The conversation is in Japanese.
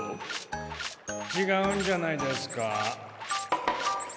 ちがうんじゃないですか？